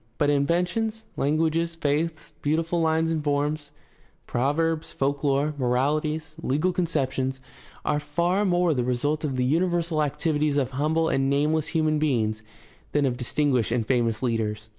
But inventions, languages, faiths, beautiful lines and forms, proverbs, folk lore, morahties, legal conceptions, are far more the result of the universal activities of humble and nameless human beings than of distinguished and famous leaders.